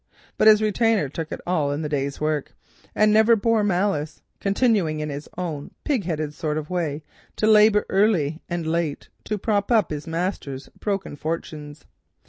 But his retainer took it all in the day's work, and never bore malice, continuing in his own cadging pigheaded sort of way to labour early and late to prop up his master's broken fortunes.